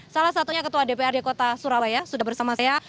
salah satunya ketua dprd kota surabaya sudah bersama saya